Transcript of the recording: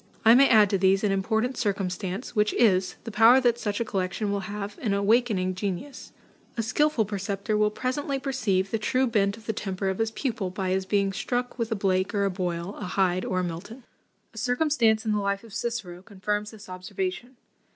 I may add to these, an important circumstance, which is, the power that such a collection will have in awakening genius. A skilful preceptor will presently perceive the true bent of the temper of his pupil, by his being struck with a Blake or a Boyle, a Hyde or a Milton." A circumstance in the life of Cicero confirms this observation.